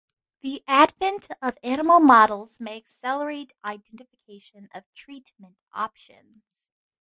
The advent of animal models may accelerate identification of treatment options.